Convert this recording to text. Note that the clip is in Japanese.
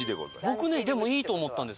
僕ねいいと思ったんです